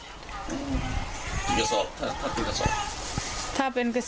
จะสอบถ้าเป็นกระสอบถ้าเป็นกระสอบ